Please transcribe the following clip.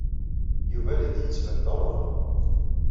Yuba la d-yettban d awraɣ.